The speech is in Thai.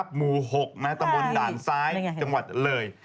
หมู่๖ตำบลด่านซ้ายจังหวัดเลย